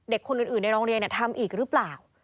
เด็กคนอื่นในโรงเรียนทำอีกหรือเปล่า